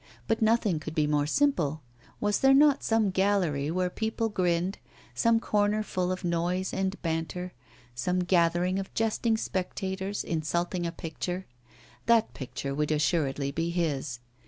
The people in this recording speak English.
But nothing could be more simple. Was there not some gallery where people grinned, some corner full of noise and banter, some gathering of jesting spectators, insulting a picture? That picture would assuredly be his.